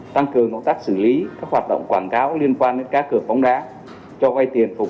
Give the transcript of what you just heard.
tăng cường công tác xử lý các hoạt động quảng cáo liên quan đến cá cược bóng đá cho quay tiền phục